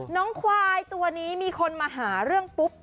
น้องควายตัวนี้มีคนมาหาเรื่องปุ๊บ